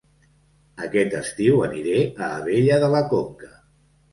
Aquest estiu aniré a Abella de la Conca